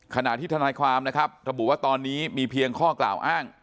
ขณะที่ทนายความนะครับระบุว่าตอนนี้มีเพียงข้อกล่าวอ้าง